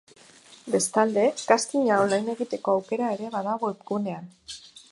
Bestalde, castinga online egiteko aukera ere bada webgunean.